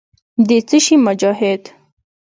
د څه شي مجاهد.